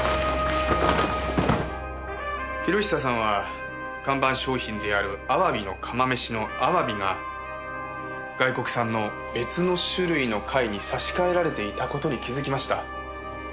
博久さんは看板商品であるあわびの釜めしのあわびが外国産の別の種類の貝に差し替えられていた事に気づきました。